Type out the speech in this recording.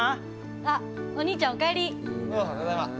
あっ、お兄ちゃんお帰り。